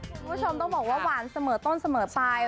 คุณผู้ชมต้องบอกว่าหวานเสมอต้นเสมอไป